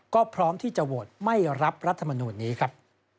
ก็พร้อมที่จะโหวตไม่รับรัฐมนูลนี้ครับ